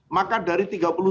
maka dari tiga puluh